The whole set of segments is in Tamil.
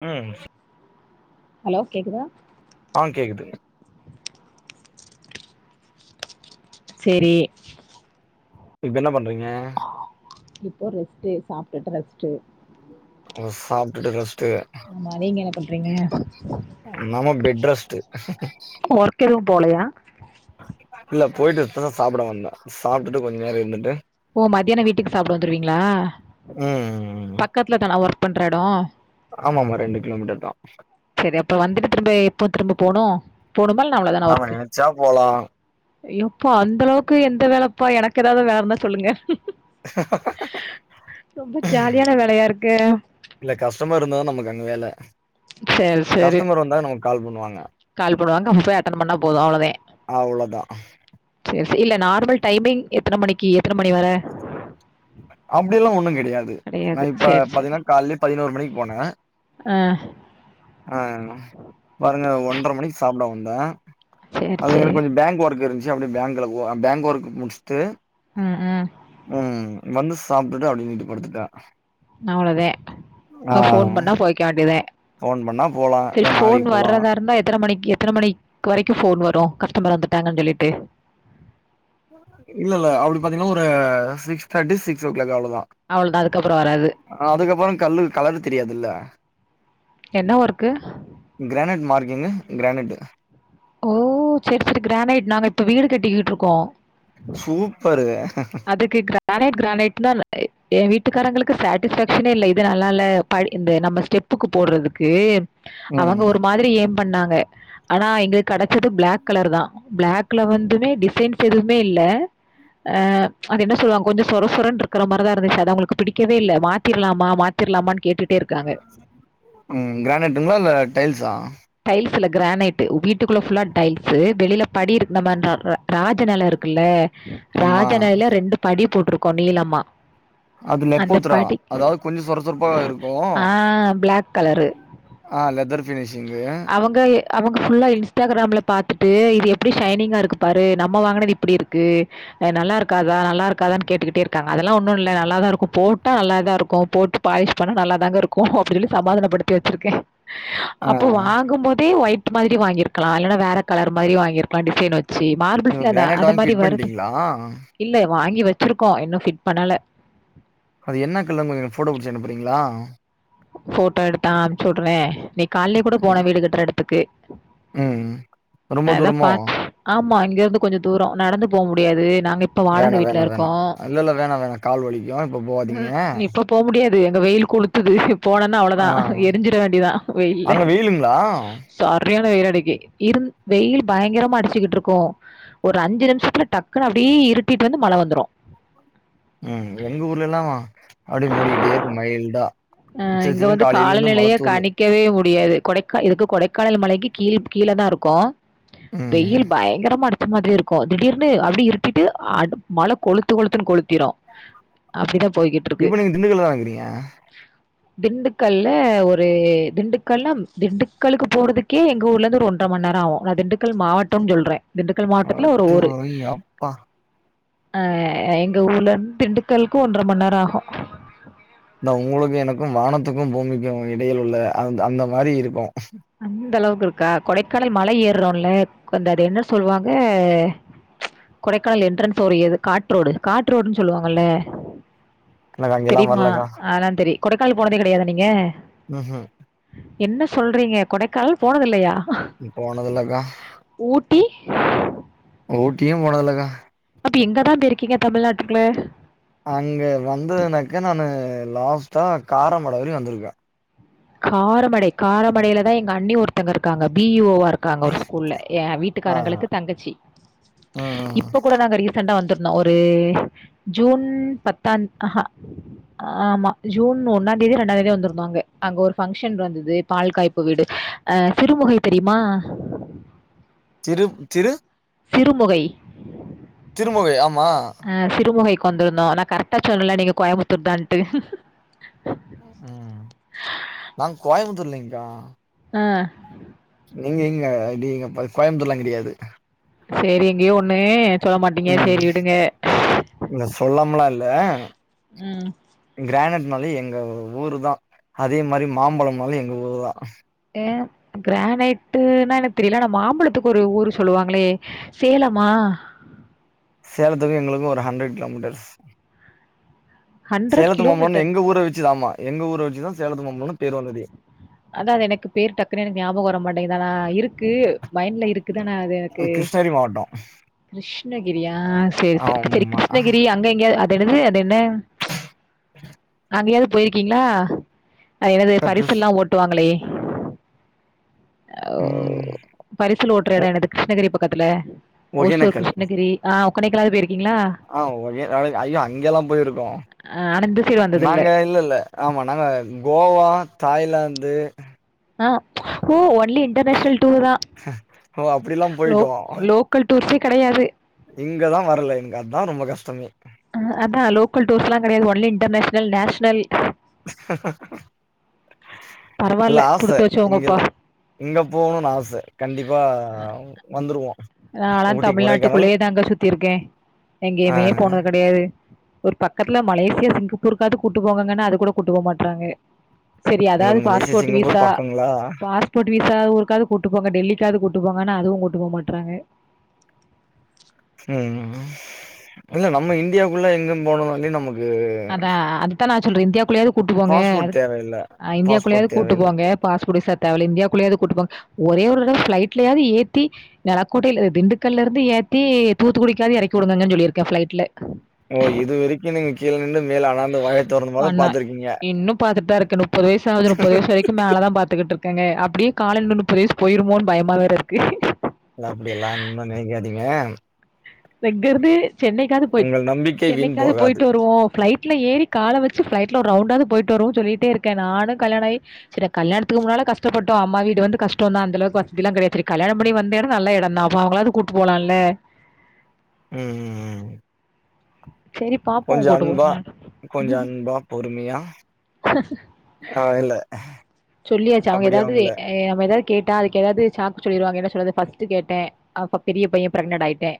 ம் ஹலோ கேக்குதா ஆ கேக்குதுங்க சேரி இப்ப என்னா பண்றீங்க இப்போ ரெஸ்ட்டு சாப்ட்டுட்டு ரெஸ்ட்டு ஒ சாப்ட்டுட்டு ரெஸ்ட்டு ஆமா நீங்க என்னா பண்றீங்க நம்ம பெட் ரெஸ்ட்டு ஒர்க் எதுவு போலயா இல்ல போய்ட்டு இப்பதா சாப்புட வந்தே சாப்ட்டுட்டு கொஞ்ச நேரோ இருந்துட்டு ஓ மதியான வீட்டுக்கு சாப்புட வந்துருவீங்ளா ம் பக்கத்துல தானா ஒர்க் பண்ற எடோ ஆமாமா ரெண்டு கிலோமீட்டர் தா செரி அப்ப வந்துட்டு திரும்ப எப்போ திரும்ப போணு போணுமா இல்னா அவ்ளதானா நாம ஒர்க்கு நெனச்சா போலா ஐயோ அப்பா அந்தளவுக்கு எந்த வேலப்பா எனக்கு ஏதாவது வேல இருந்தா சொல்லுங்க ரொம்ப ஜாலியான வேலயா இருக்கே இல்ல கஸ்டமர் இருந்தாதா நமக்கு அங்க வேல சேரி சேரி கஸ்டமர் வந்தா நமக்கு கால் பண்ணுவாங்க கால் பண்ணுவாங்க அப்பபோய் அட்டன் பண்ணா போது அவ்ளதே அவ்ளோதா சேரி சேரி இல்ல நார்மல் டைமிங் எத்தன மணிக்கி எத்தன மணி வர அப்டியல்லா ஒன்னு கெடையாது நா இப்ப பாத்தீங்கன்னா கால்லேயே பதினோரு மணிக் போனே அ அ பாருங்க ஒன்ற மணிக் சாப்ட வந்தே சேரி அது எனக்கு சேரி கொஞ்ச பேங்க் ஒர்க் இருந்ச்சு அப்டியே பேங்க்ல போ பேங்க் ஒர்க் முடுஸ்ட்டு ம் ம் ம் வந்து சாப்டுட்டு அப்டியே வீட்டு படுத்துட்டே அவ்ளோதே இப்ப ஃபோன் ஆ பண்ணா போய்க்க வேண்டிதே ஃபோன் பண்ணா போலா சரி இல்ல ஃபோன் நாளைக்கு போலா வர்றதா இருந்தா எத்தன மணிக்கி எத்தன மணி வரைக்கு ஃபோன் வரு கஸ்டமர் வந்துட்டாங்கன் சொல்லிட்டு இல்ல இல்ல அப்டி பாத்தீங்ன்னா ஒரு six thirty six o'clock அவ்ளதா அவ்ளதா அதுக்கப்பறோ வராது அதுக்கப்பறோ கல்லு கலரு தெரியாதுல்ல என்ன ஒர்க்கு கிரானட் மார்கிங்கு கிரானட்டு் ஓ சரி சரி கிரானைட் நாங்க இப்ப வீடு கட்டிக்கிட்ருக்கோ சூப்பரு அதுக்கு கிரானைட் கிரானைட்னா ஏ வீட்டுக்காரங்களுக்கு சாட்டிஸ்ஃபேக்க்ஷனே இல்ல இது நல்லா இல்ல படி இந்த நம்ம ஸ்டெப்புக்கு போட்றதுக்கு ம் அவங்க ஒரு மாரி ஏம் பண்ணாங்க ஆனா எங்க கெடச்சது பிளாக் கலர் தா பிளாக்ல வந்துனே டிசைன்ஸ் எதுமே இல்ல அ அது என்ன சொல்லுவாங்க கொஞ்சோ சொரசொரன்னு இருக்க மாரிதா இருந்துச்சு அது அவங்களுக்கு பிடிக்கவே இல்ல மாத்திர்லாமா மாத் த்திர்லாமான்னு கேட்டுட்டே இருக்காங்க ம் கிரானைட்டுங்களா இல்ல டைல்ஸா டைல்ஸ் இல்ல கிரானைட்டு வீட் வீட்டுகுள்ள ஃபுல்லா டைல்ஸு வெளில படி இரு நம்ம இந்த ரா ராஜ நெல இருக்குல ஆமா ராஜ நெலேல ரெண்டு படி போட்ருக்கோ நீளம்மா அது அந்த லெப்போத்ரா படி அதாவது கொஞ்சோ சொர சொரப்பா இருக்கு ஆ பிளாக் கலரு அ லெதர் ஃபினிஷிங்கு அவங்க அவங்க ஃபுல்லா இன்ஸ்டாகிராம்ல பாத்துட்டு இது எப்டி ஷைனிங்கா இருக்கு பாரு நம்ம வாங்குனது இப்டி இருக்கு நல்ல இருக்காதா நல்லா இருக்காதான்னு கேட்டுகிட்டே இருக்காங்க அதல்லா ஒன்னு இல்ல நல்லாதா இருக்கு போட்டா நல்லாதா இருக்கு போட்டு பாலிஷ் பண்ணா நல்லாதாங்க இருக்கு அப்டினு சொல்லி சமாதானப்படுத்தி வச்சுருக்கே ஆ அப்போ வாங்கும் போதே ஒயிட் மாரி வாங்கிருக்கலா இல்லனா வேற கலர் மாரி வாங்கிருக்கலா டிசைன் வச்சு சே நீங்க மார்பல்ஸ்ல அந்த கிரானைட் அந்த வாங்கி மாரி ஃபிட் வருது பண்ட்டீங்களா இல்லே வாங்கி வச்சிருக்கோ இன்னும் ஃபிட் பண்ணல அது என்ன கலர்னு கொஞ்சோ போட்டோ புடிச்சு அனுப்புறீங்களா போட்டோ எடுத்தா அனுப்ச்சு விடுறே இன்னக்கி கால்லே கூட போனே ம் வீடு கட்ற எடத்துக்கு ம் ரொம்ப அதா தூரமோ பாத் ஆமா இங்கிருந்து கொஞ்சோ தூரோ நடந்து போ முடியாது நாங்க இப்ப வாடக வேணா வீட்ல வேணா வேணா இருக்கோம். இல்ல இல்ல வேணா வேணா கால் வலிக்கு இப்ப போவாதீங்க ம். போ முடியாது எங்க வெயில் கொளுத்துது போனோம்னா அவ்ளோதா ஆ எரிஞ்சிர வேண்டிதான் வெயில்ல அங்க வெயிலுங்களா? சரியான வெயில் அடிக்கி இருந் வெயில் பயங்கரமா அடிச்சிக்கிட்டு இருக்கும் ஒரு அஞ்சி நிமிஷத்துல டக்குன்னு இருட்டிட்டு வந்து மழ வந்துரும் ம் எங்க ஊர்ல எல்லாம் அப்டி மூடிக்கிட்டே இருக்கும் மைல்டா ஆ சிலு இங்க சிலுன்னு வந்து காலையிலருந்து மழ காலநிலையே தூறலு. கணி க்கவே முடியாது கொடைக்க இதுக்கு கொடைக்கானல் மலைக்கு கீழ் கீழ தா இருக்கோ ம். வெயில் பயங்கரமா அடு ச்ச மாரி இருக்கு திடீர்னு அப்டியே இருட்டிட்டு அட் மழ கொளுத்து கொளுத்துன்னு கொளுத்திரு அப்டிதா போய்கிட் இப்ப நீங்க திண்டுக்கல்ல தா இருக்றீங்க திண்டுக்கல்ல ஒரு திண்டுக்கல்ல திண்டுக்கல்லுக்கு போறதுக்கே எங்க ஊர்ல இருந்து ஒரு ஒன் ற மணி நேரோ ஆகு நா திண்டுக்கல் மாவட்டம்னு சொல்றே திண்டுக்கல் மாவட்டத்துல ஒரு ஊரு அடப்பாவி அப்பா! ஆ எங்க ஊர்ல இருந்து திண்டுக்கல்க்கு ஒன்ற மண் நேரோ ஆகு இந்த உங்களுக்கு எனக்கும் வானத்துக்கும் பூமிக்கும் இடையில் உள்ள அந்த அந்த மாரி இருக்கு அந்த அளவுக்கு இருக்கா கொடைக்கானல் மழை ஏறோல கொந் அது என்ன சொல்லுவாங்க கொடைக்கானல் என்ட்ரன்ஸ் ஒரு இது காட் ரோடு காட் ரோடுன்னு சொல்லுவாங்கல்ல எனக்கு அங்கெல்லாம் தெரியுமா வரலக்கா. அதல்லாம் தெரி கொடைக்கால போனதே கெடையாதா நீங்க ம் ம் என்ன சொல்றீங்க கொடைக்கானல் போனது இல்லையா ம் போனது இல்லக்கா ஊட்டி ஊட்டியும் போனது இல்லக்கா அப்ப எங்கதான் பெய்ருக்கீங்க தமிழ்நாட்டுக்குள்ள அங்க வந்ததுனாக்க நானு லாஸ்ட்டா காரமட வரைக்கு வந்திருக்கே காரமடை காரமடையிலதா எங்க அண்ணி ஒருத்தங்க இருக்காங்க வி ஓ வா இரு க்காங்க ஒரு ஸ்கூல்ல என் ஆ. வீட்டுக்காரங்களுக்கு தங்கச்சி ம். இப்ப கூட நாங்க ரீ சண்ட வந்துருந்தோம் ஒரு ஜூன் பத்தாந் ஆஹா ஆமா ஜூன் ஒன்னா தேதியோ இரண்டா தேதியோ வந்திருந்தோம் அங்க அங்க ஒரு ஃபங்க்ஷன் வந்தது பால்காய்ப்பூ வீடு ஆ சிறுமுகை தெரியுமா திரு திரு சிறுமுகை திருமுகை ஆமா ஆ சிறுமுகைக்கு வந்திருந்தோம் நா கரெக்டா சொல்லல நீங்க கோயமுத்தூர் தான்ட்டு ம் நாங்க கோயம்புத்தூர் இல்லைங்க்கா ஆ நீங்க இங்க நீங்க ப [unintelligible] கோயம்பத்தூர்லாம் கிடையாது சேரி எங்கயோ ஒண்ணு சொல்ல மாட்டீங்க ம் சேரி விடுங்க இல்ல சொல்லாமல இல்ல ம் கிரானைட்னாலே எங்க ஊரு தா அதே மாரி மாம்பழனாலு எங்க ஊரு தா ஏ கிரானைட்டுன்னா எனக்கு தெரியல ஆனா மாம்பழத்துக்கு ஒரு ஊரு சொல்லுவாங்களே சேலமா சேலத்துக்கு எங்களுக்கு ஒரு ஹண்ரட் கிலோமீட்டர்ஸ் ஹண்ட்ரட் சேலத்து மாம்பழனு கிலோமீட்டர் எங்க ஊர வச்சிதாம்மா எங்க ஊர வச்சிதா சேலத்து மாம்பழனு பேர் வந்ததே அதா அது எனக்கு பேர் டக்குன்னு எனக்கு ஞாபக வர மாட்டேங்குது ஆனா இருக்கு மைண்ட்ல இருக்குது ஆனா அது எனக்கு கிருஷ்ணகிரி மாவட்டோ கிருஷ்ணகிரியா சேரி சேரி சரி ஆமா கிருஷ்ணகிரி அங்க எங்கயா என்னது அது என்ன அங்கயாது போயிருக்கீங்ளா என்னது க கிருஷ் பரிசெல்லா ஓட்டுவாங்களே ம் பரிசில் ஓட்ற ஒ எட என்னது கிருஷ்ணகிரி பக்கத்துல ஓசூர் ஒகேனக்கல் கிருஷ்ணகிரி ரி ஆ கொடைக்கானல் போயிருக்கீங்ளா ஆ ஒகே அ ஐயோ அங்கல்லா போயிருக்கோ ஆ ஆனா இந்த சைடு வந்தது இல்ல நாங்க இல்லல்ல ஆமா நாங்க கோவா தாய்லாந்து ஆ ஓ ஒன்லி இண்டர்நேஷ்னல் டூர் தா ஓ அப்டிலா லோ லோ போயிட்டோ லோக்கல் ப்ளேஸே கெடையாது இங்கதா வர்ல இங்கதா ரொம்ப கஷ்டமே அதா லோக்கல் டூர்ஸ்ல்லா கெடையாது ஒன்லி இன்டர்நேஷ்னல் நேஷ்னல் இல்ல பரவால்ல ஆச குடுத்து வச்சவங்கப்பா இங்கல்ல இங்க போகணுனு ஆச கண்டிப்பா வந்துருவோ நாலா ஊட்டி கொடைக்கானல் தமிழ்நாட்டுக்குள்ளேயே தாங்க சுத்திருக்கே ஆ எங்கேயுமே போனது கெடையாது ஒரு பக்கத்துல மலேசியா சிங்கப்பூருக்காது கூட்டு போங்ககன்னா அது கூட கூட்டு போமாட்றாங்க சரி அதாது உங்களுக்கு மலேசியா பாஸ்போட் சிங்கப்பூர் வீசா பக்கங்களா பாஸ் போட் வீசா ஊருக்காது கூட்டு போங்க டெல்லிக்காது கூட்டு போங்கன்னா அதுவு கூட்டு போ மாட்றாங்க ம் இல்ல நம்ம இந்தியாக்குள்ள எங்க போனொனாலே நமக் அதா அதுத்தா நா சொல்றே இந்தியாக்குள்ளயாது கூட்டு போங்க பாஸ்போர்ட் தேவையில்ல இந்தியாக்குள்ளயாது பாஸ்போர்ட் கூட்டு தேவையில்ல போங்க பாஸ்போட் விசா தேவல்ல இந்தியாக்குள்ளேயாது கூட்டுப்போங்க ஒரே ஒரு தட ப்ளைட்லயாது ஏத்தி நெலக்கோட்டல திண்டுக்கல்ல இருந்து ஏத்தி தூத்துக்குடிக்காது எறக்கி வுடுங்ககன் சொல்லிருக்கே ப்ளைட்ல ஓ இதுவரைக்கு நீங்க கீழ நின்னு மேல அனாந்து வாய தொறந்து மொத வண்ணா பாத்துருக்கீங்க இன்னு பாத்துட்தா இருக்கு நுப்பது வயசு ஆவுது நுப்பது வயசு வரைக்கும் மேலதா பாத்துகிட்டு இருக் இருக்கங்க அப்டியே கால நுப்பது வயசு போயிருமோன் பயமா வேற இருக்கு அப்டியெல்லா ஒன்னு நெனக்காதீங்க இங்கறந்து சென்னைக்காது போய்ட்டு உங்கள் நம்பிக்கை வீண் சென்னைக்காது போகாது போயிட்டு வருவோ ப்ளைட்ல ஏறி கால வச்சு ஃப்ளைட்ல ஒரு ரவுண்டாது போய்ட்டு வருவோனு சொல்லிட்டே இருக்கே நானு கல்யாணாயி சரி கல்யாணத்துக்கு முன்னால கஷ்டப்பட்டோ அம்மா வீடு வந்து கஷ்டோதா அந்தளவுக்கு வசதிலா கெடையா சரி கல்யாணம் பண்ணி வந்த எடொ நல்ல எடொந்தா அப்போ அவங்களாது கூட்டு போலால ம் ம் ம் சேரி கொஞ்ச அன்பா கொஞ்ச அன்பா பொருமியா ஆமா இல்ல சொல்லியாச்சு அவங்க அப்டி எதாது அவங்கள நம்ம எதாவது கேட்டா அதுக்கு ஏதாவது சாக்கு சொல்லிடுங்கன்னு செல்ல ஃபர்ஸ்ட்டு கேட்டே அப்ப பெரிய பைய பிரகனன்ட் ஆயிட்டே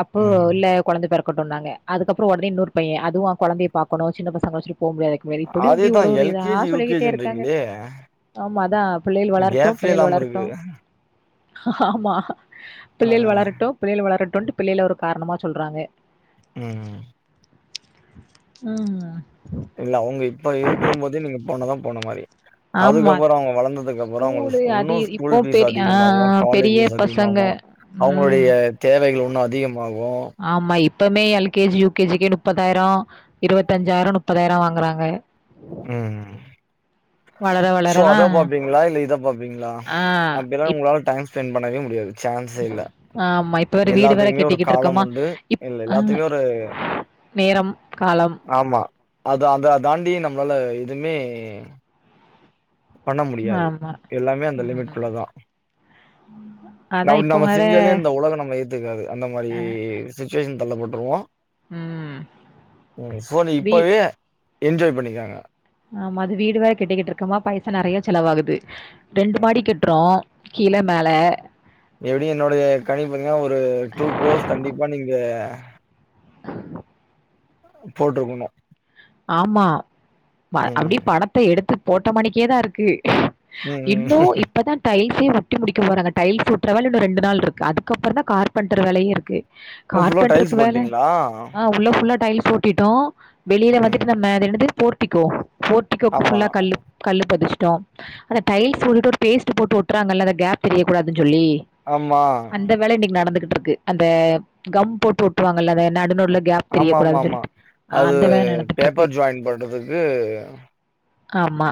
அப்போ ம் இல்ல கொழந்தை பெறக்கட்டும்ன்னாங்க அதுக்கப்பற ஒடனே இன்னோறு பைய அதுவு கொழந்தைய பாக்கனு சின்ன பசங்க வச்சுட்டு போக முடியாது வேற இப்படியும்படி ஒரு ஒரு இதா சொல்லிக்கிட்டே இருக்காங்க ஆ ஆமா அதா பிள்ளைள் வளரட்டு பிள்ளைள் வளரட்டு இருக்கு ஆமா ஆ பிள்ளைல் வளரட்டு பிள்ளைல் வளரட்டுன்ட்டு பிள்ளைல ஒரு காரணமா சொல்றாங்க ம் ம் ஆ இல்ல அவங்க இப்ப இருக்கும்ற போதே நீங்க போனதா போன மாரி ஆமா அதுக்கப்பற அவங்க வளந்ததுக்கப் அவங்க ஸ்கூலு இன்னு அது ஸ்கூல் இப்போ பீஸ் பெரிய ஆ அதிகமாகு காலேஜ் பெரிய பீஸ் பசங்க அதிகமாகு ம் அவங்களுடைய தேவைகள் இன்னு அதிகமாகு ஆமா இப்பமே L K G U K ஜிக்கே முப்பதாயிர இருவத்தஞ்சாயிர முப்பதாயிர வாங்குறாங்க ம் வளர சோ வளரலா அத பாப்பீங்களா இல்ல இத பாப்பீங்களா ஆ அப்டில்லா இப் உங்களால டைம் ஸ்பெண் பண்ணவே முடியாது சான்ஸ்சே இல்ல ஆமா இப்ப வேற வீடு வேற எல்லாத்துக்குமே ஒரு கட்டிக்கிட்டு காலம் இருக்கோமா உண்டு இப் இல்ல ஆ எல்லாத்துமே ஒரு நேரம் காலம் ஆமா அது அதா அதாண்டி நம்மளால எதுமே பண்ண முடியாது எல்லாமே அந்த லிமிட்குள்ள தா ம் அப்டி நம்ம செஞ்சாலே இந்த உலகம் நம்ம ஏத்துக்காது அந்த மாரி சுச்சுவேஷன் தள்ளப்பட்டுருவோ ம் ம் சோ நீ வீ இப்பவே என்ஜாய் பண்ணிக்கங்க ஆமா அது வீடு வேற கெட்டிக்கிட்டு இருக்கோமா பைசா நொறைய செலவாகுது ரெண்டு மாடி கட்றோ கீழ மேல எப்படி என்னோடைய கணிப்பங்க ஒரு டூ க்ரோஸ் கண்டிப்பா நீங்க போட்றுக்கணு ஆமா ம் அப்டியே பணத்தை எடுத்து போட்ட மாணிக்கே தா இருக்கு ம் ம் இப்போ இப்பதா டைல்சே ஒட்டி முடிக்க போராங்க டைல் ஒட்ற வேலை இன்னோ ரெண்டு நாள் இருக்கு அதுக்கப்பறந்தா கார்பன்டர் வேலையே இருக்கு ஓ ஃபுல்லா டைல்ஸ் கார்பென்ட்ருக்கு வேல போட்டீங்களா ஆ உள்ள புல்லா டைல்ஸ் ஒட் ட்டோம் வெளியில வந்துட்டு ம் நம்ம அது என்னது போர்டிக்கோ போர்டிக்கோக்கு ஆமா புல்லா கல்லு கல்லு பதிச்சிட்டோம் அந்த டைல்ஸ் போட்டுட்டு ஒரு பேஸ்ட் போட்டு ஒட்டுறாங்கல்ல அந்த கேப் தெரியக்க கூடாதுன்னு சொல்லி ஆமா அந்த வேல இன்னைக்கு நடந்துகிட்ருக்கு அந்த கம் போட்டு ஒட்டுவாங்கல்ல அத‌ என்ன நடுநடுல கேப் தெரியக் கூடாதுன்னு சொல்லிட்டு ஆ அந்த வேல நடந்த இப்ப ஜாயின் பண்றதுக்கு ஆமா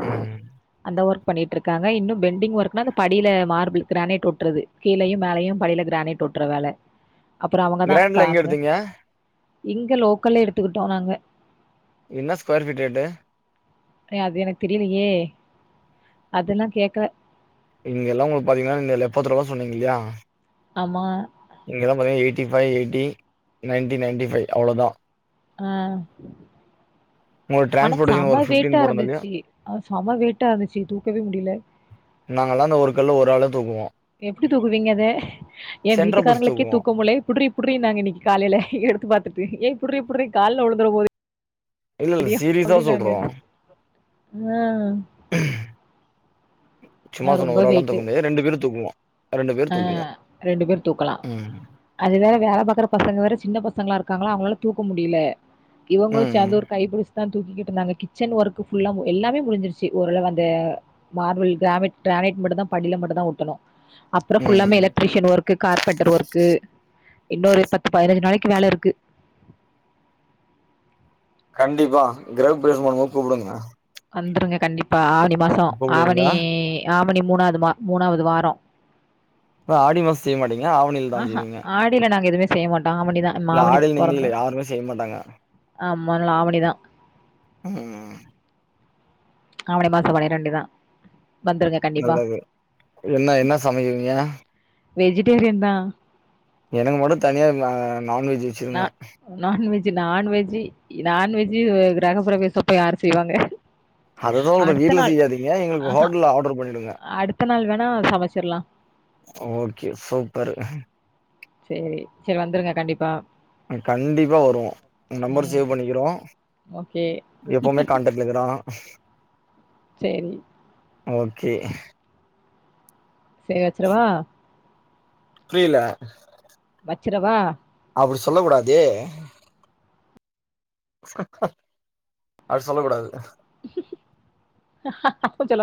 ம் அந்த ஒர்க் பண்ணிட்ருக்காங்க இன்னு பெண்டிங் ஒர்க்னா அந்த படியில மார்பிள் கிரானைட் ஒட்றது கீழையு மேலையு படியில கிரானைட் ஒட்ற வேல அப்புறோ அவங்கதா கிராண்ட்ல எங்க அவங்க எடுத்தீங்க இங்க லோக்கல்லே எடுத்துக்கிட்டோ நாங்க என்னா ஸ்கொயர் ஃபீட் ரேட்டு ஏ அது எனக்கு தெரியலையே அதெல்லா கேக்கல இங்க எல்லா உங்களுக்கு பாத்தீங்கன்னாங்க எப்பது ரூபா சொன்னீங்க இல்லயா ஆமா இங்கெல்லா பாருங்க eighty five eighty ninety ninety five அவ்ளோதா ஆ உங்களுக்கு ஆனா டிரான்ஸ்போர்டேஷன் சம ஒரு ஃபிப்டின் வெயிட்டா போட்டதுலயு இருந்துச்சு ஆ சம வெயிட்டா இருந்துச்சு தூக்கவே முடில நாங்கலா அந்த ஒரு கல்ல ஒரு ஆள தூக்குவோ எப்டி தூக்குவீங்க அத ஏ சென்ட்ரா புடிச்சு வீட்டுக்காரங்களுக்கே தூக்குவோ தூக்க முடில ப்டி புடுரி நாங்க இன்னைக்கு காலேல எடுத்து பாத்துட்டு ஏ புடுரி புடுரி கால உழுந்துறபோது இல்ல இல்ல யோ சீரியஸா அப்டினாங்க சொல்றோ ஆ சும்மா நான் சொன்னே ரொம்ப ஒரு ஆளா வெயிட்டு. தூக்க முடியது ரெண்டு பேரு தூக்குவோ ரெண்டு பேர் ஆ தூக்குவோ ரெண்டு பேர் தூக்கலா ம் அது வேற வேல பாக்குற பசங்க வேற சின்ன பசங்கல்லா இருக்காங்கல அவங்களால தூக்க முடியல இவுங்களு ம் சேந்து ஒரு கைபுடுச் தா தூக்கிகிட்டு இருந்தாங்க கிச்சன் ஒர்க் ஃபுல்லா எல்லாமே முடிஞ்சிருச்சு ஓரளவு அந்த மார்பில் கிராமைட் கிரானைட் மட்டுந்தா படியில மட்டுமந்தா ஒட்டணு அப்பற ம் ஃபுல்லாமே ம் எலக்ட்ரிஷியன் ஒர்க்கு கார்பன்டர் ஒர்க்கு இன்னொரு பத்து பதினஞ்சு நாளைக்கு வேல இருக்கு கண்டிப்பா கிரகபிரேஷம் பண்ணும்போது கூப்டுங்க வந்துருங்க கண்டிப்பா ஆவணி மாசோ ஆவணி கூப்டுவீங்களா ஆவணி மூணாவது மா மூணாவது வாரோ ஆடி மாஸ் செய்ய மாட்டிங்கல அவணில் ஆஹா ஆடில நாங்க எதுமே செய்ய மாட்டோம் ஆவணிதா இல்ல ஆடில நீங்கள் இல்ல யாருமே செய்ய மாட்டாங்க ஆமா லாவணிதா ம் ஆவனி மாச பண்ணிர வேண்டி தா வந்துருங்க கண்டிப்பா. நல்லது என்ன என்ன சமையல் [unintelligible] வெஜிடேரியன் தா எனக்கு மட்டு தனியா நா நான்வெஜ் நா வச்சிருங்க நான்வெஜ்‌ நான்வெஜ் நான்வெஜ் கிரகப்பிரவேசப்ப யார் செய்வாங்க அததா ஒல்ற அடுத்த வீட்ல நாள் செய்யாதீங்க எங்களுக்கு ஆஹா ஹோட்டல்ல ஆர்டர் பண்ணிடுங்க அடுத்த நாள் வேணா சமைச்சிரலாம். ஓகே சூப்பரு சேரி சேரி வந்துருங்க கண்டிப்பா கண்டிப்பா வருவோ நம்பர் ம். சேவ் பண்ணிக்கிறோ ஓகே. எப்போமே கான்டக்ட் [unintelligible] சேரி ஓகே சே வச்சுறவா புரியல வச்சுரவா அப்டி சொல்ல கூடாதே [unintelligible] அது சொல்ல கூடாது சொல்ல